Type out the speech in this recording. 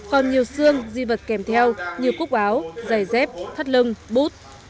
còn nhiều xương di vật kèm theo như cúc áo giày dép thắt lưng bút